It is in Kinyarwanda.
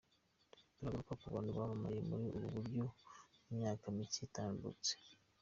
Turagaruka ku bantu bamamaye muri ubu buryo mu myaka micye itambutse.